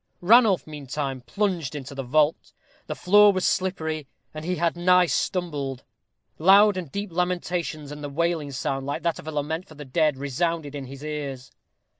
Ranulph, meantime, plunged into the vault. The floor was slippery, and he had nigh stumbled. Loud and deep lamentations, and a wailing sound, like that of a lament for the dead, resounded in his ears.